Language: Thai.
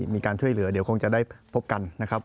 มีการช่วยเหลือเดี๋ยวคงจะได้พบกันนะครับ